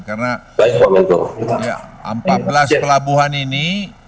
karena empat belas pelabuhan ini